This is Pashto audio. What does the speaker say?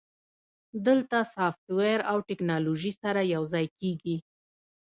دلته سافټویر او ټیکنالوژي سره یوځای کیږي.